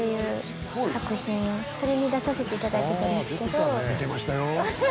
はい見てましたよ